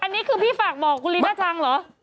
อันนี้คือพี่ฝากหมอกรีน่าจังหรือ